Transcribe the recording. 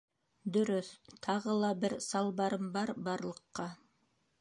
Дөрөҫ, тағы ла бер салбарым бар-барлыҡҡа.